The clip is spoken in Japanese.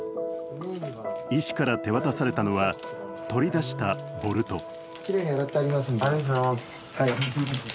医師から手渡されたのは、取り出したボルト。